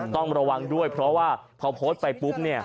ต้องระวังด้วยเพราะว่าพอโพสต์ไปปุ๊บเนี่ย